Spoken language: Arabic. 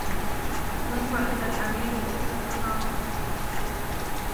كنت عند الأمير عيسى بن هارون